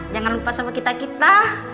jangan lupa sama kita kita